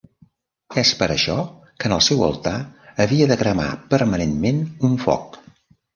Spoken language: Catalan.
És per això que en el seu altar havia de cremar permanentment un foc.